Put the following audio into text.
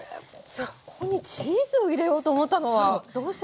ここにチーズを入れようと思ったのはどうしてですか？